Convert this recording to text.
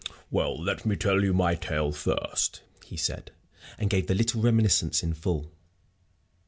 "Well, let me tell you my tale first," he said; and gave the little reminiscence in full.